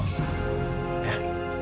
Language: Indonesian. makasih ya kak